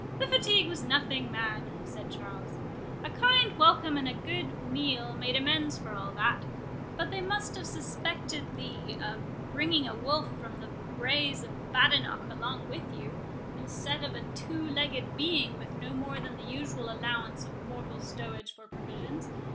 "The fatigue was nothing, man," said Charles; "a kind welcome and a good meal made amends for all that. But they must have suspected thee of bringing a wolf from the braes of Badenoch along with you, instead of a two legged being, with no more than the usual allowance of mortal stowage for provisions.